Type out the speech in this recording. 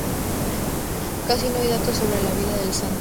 Casi no hay datos sobre la vida del santo.